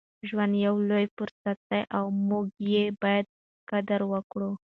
ژوند یو لوی فرصت دی او موږ یې باید قدر وکړو.